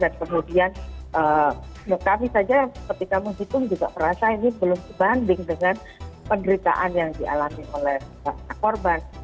kemudian kami saja ketika menghitung juga merasa ini belum sebanding dengan penderitaan yang dialami oleh korban